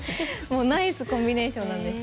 ナイスコンビネーションなんです。